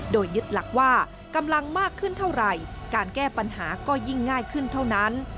โดยยึดหลักว่ากำลังมากขึ้นเท่าไหร่การแก้ปัญหาก็ยิ่งง่ายขึ้นเท่านั้น